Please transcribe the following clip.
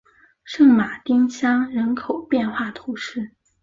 圣马丁乡人口变化图示